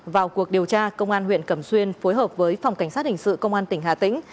vào cuộc điều tra công an huyện cẩm xuyên phối hợp với phòng cảnh sát hình sự công an tỉnh hà tĩnh